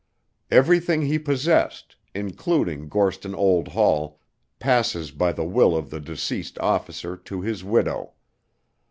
Everything he possessed, including Gorston Old Hall, passes by the will of the deceased officer to his widow.